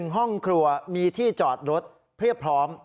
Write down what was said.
ห้องครัวมีที่จอดรถเรียบพร้อม